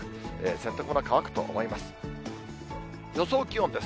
洗濯物は乾くと思います。